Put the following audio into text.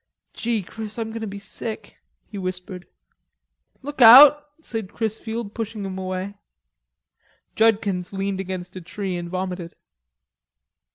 "Gee, Chris, I'm going to be sick," he whispered. "Look out," said Chrisfield, pushing him away. Judkins leaned against a tree and vomited.